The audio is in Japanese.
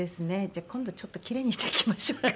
じゃあ今度ちょっとキレイにしていきましょうか。